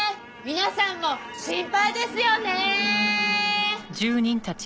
皆さんも心配ですよね！